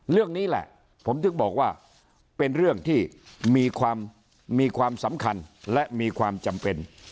เรื่องนี้แหละผมถึงบอกว่าเป็นเรื่องที่มีความมีความสำคัญและมีความจำเป็น